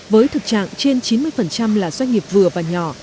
với thực trạng trên chín mươi là doanh nghiệp vừa và nhỏ